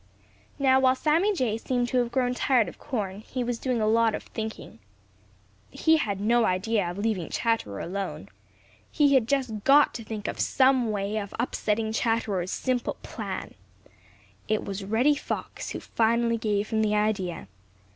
Now, while Sammy Jay seemed to have grown tired of corn, he was doing a lot of thinking. He had no idea of leaving Chatterer alone. He had just got to think of some way of upsetting Chatterer's simple plan. It was Reddy Fox who finally gave him the idea.